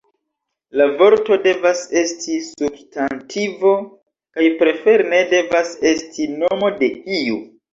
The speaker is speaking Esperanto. La vorto devas esti substantivo kaj prefere ne devas esti nomo de iu.